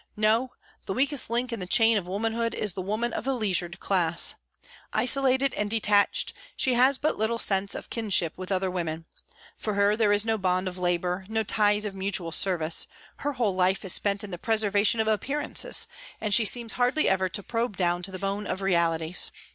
No, the weakest link in the chain of womanhood is the woman of the leisured class. Isolated and detached, she has but little sense of kinship with other women. For her there is no bond of labour, no ties of mutual service ; her whole life is spent in the preservation of appearances, and she seems hardly ever to probe down to the bone of realities.